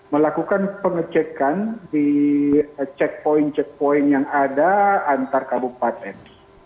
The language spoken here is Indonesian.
melakukan pengecekan di checkpoint checkpoint yang ada antar kabupaten